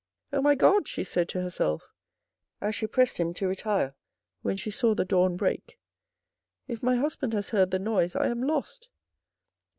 " Oh, my God !" she said to herself, as she pressed him to retire when she saw the dawn break, "if my husband has heard the noise, I am lost."